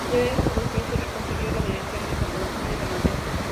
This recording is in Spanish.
Ya en su vejez, se le concedió la dirección del Conservatorio de Madrid.